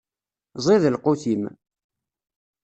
Ẓid lqut-im.